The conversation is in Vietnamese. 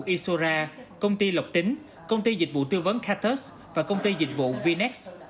isora công ty lọc tính công ty dịch vụ tư vấn katus và công ty dịch vụ vinex